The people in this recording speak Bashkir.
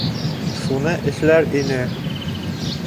Шуны эшләр ине...